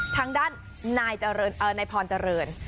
ทางด้านนายพรเจริญ